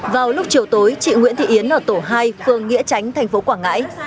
vào lúc chiều tối chị nguyễn thị yến ở tổ hai phường nghĩa tránh thành phố quảng ngãi